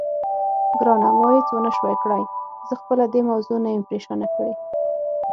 ګرانه، ما هېڅ ونه شوای کړای، زه خپله دې موضوع نه یم پرېشانه کړې.